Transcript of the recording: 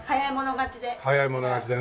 早い者勝ちで。